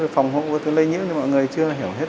phòng hôn vấn đề lây nhiễm nhưng mà mọi người chưa hiểu hết